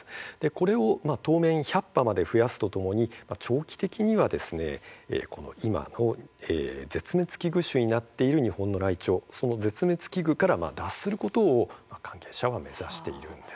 これを当面１００羽まで増やすとともに長期的には絶滅危惧種になっている日本のライチョウその絶滅危惧種から脱することを関係者は目指しているんです。